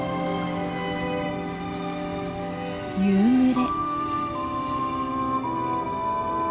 夕暮れ。